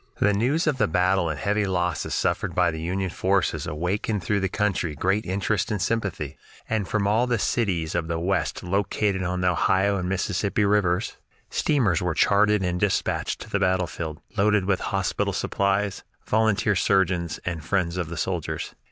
The news of the battle and heavy losses suffered by the Union forces awakened throughout the country great interest and sympathy, and from all the leading cities of the West located on the Ohio and Mississippi Rivers steamers were chartered and dispatched to the battlefield, loaded with hospital supplies, volunteer surgeons, and friends of the soldiers.